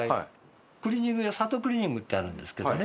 クリーニング屋サトウクリーニングってあるんですけどね。